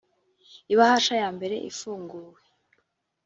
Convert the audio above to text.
Ibahasha ya mbere ifunguwe